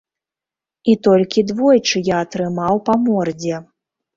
І толькі двойчы я атрымаў па мордзе.